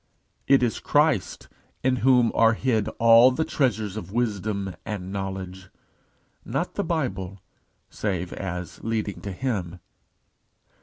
It is Christ "in whom are hid all the treasures of wisdom and knowledge," not the Bible, save as leading to him.